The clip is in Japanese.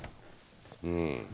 うん。